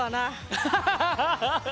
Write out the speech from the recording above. アハハハハッ！